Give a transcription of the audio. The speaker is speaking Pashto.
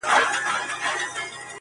o هسې سترگي پـټـي دي ويــــده نــه ده.